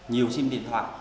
nhiều sim điện thoại